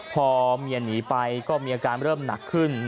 พอเมียหนีไปก็มีอาการเริ่มหนักขึ้น